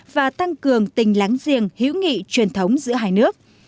và tăng cường tình láng giềng hữu nghị truyền thống giữa hai nước